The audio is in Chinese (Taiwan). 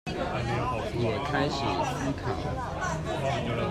也開始思考